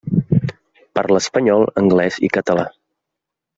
Parla espanyol, anglès i català.